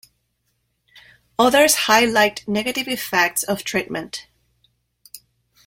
Others highlight negative effects of treatment.